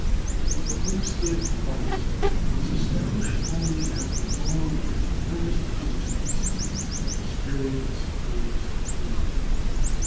The homestead policy was established only after long and earnest resistance; experience proves its wisdom.